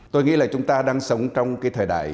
tôi nghĩ là chúng ta đang sống trong cái thời đại